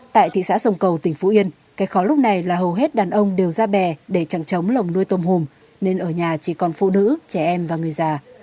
tại thị xã sông cầu tỉnh phú yên cái khó lúc này là hầu hết đàn ông đều ra bè để chẳng chống lồng nuôi tôm hùm nên ở nhà chỉ còn phụ nữ trẻ em và người già